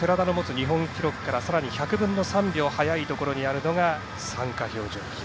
寺田の日本記録から１００分の３秒速いところにあるのが参加標準記録。